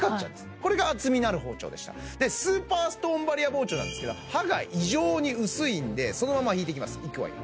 これが厚みのある包丁でしたスーパーストーンバリア包丁なんですけど刃が異常に薄いんでそのまま引いていきますいくわよ